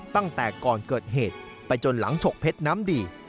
ตั้งแต่ก่อนเกิดเหตุไปจนหลังฉกเพชรน้ำดี